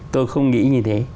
tôi không nghĩ như thế